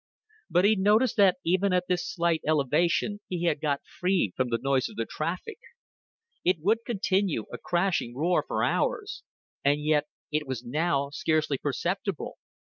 But he noticed that even at this slight elevation he had got free from the noise of the traffic. It would continue a crashing roar for hours, and yet it was now scarcely perceptible.